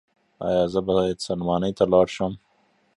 ایا زه باید سلماني ته لاړ شم؟